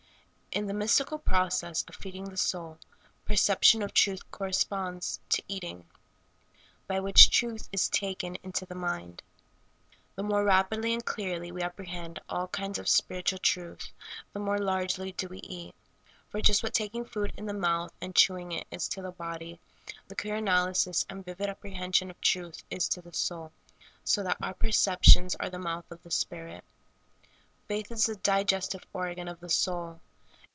In the mystical process of feeding the soul, percep tion of truth corresponds to eating, by wdiich truth is taken into the mind. The more rapidly and clearly we apprehend all kinds of spiritual truth, the more largely do we eat ; for just what taking food in the mouth and chewdng it is to the body, the clear analysis and vivid apprehension of truth is to the soul ; so that our perceptions are the mouth of the spirit. Faith is the digestive organ of the soul.